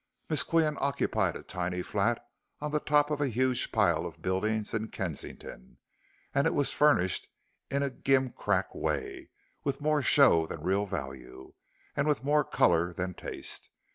Miss Qian occupied a tiny flat on the top of a huge pile of buildings in Kensington, and it was furnished in a gimcrack way, with more show than real value, and with more color than taste.